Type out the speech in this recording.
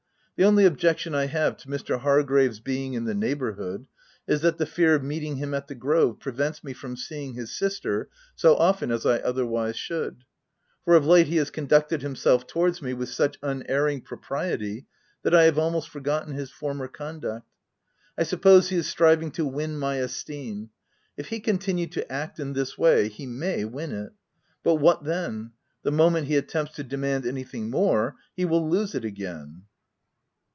The only objection I have to Mr. Hargrave's being in the neighbourhood, is that the fear of meeting him at the Grove, prevents me from see ing his sister so often as I otherwise should ; for, of late he has conducted himself towards me with such unerring propriety that I have almost forgotten his former conduct. I suppose he is striving to 6 win my esteem/ If he continue to act in this way, he may win it ;— but what then? the moment he attempts to demand anything more, he will lose it again.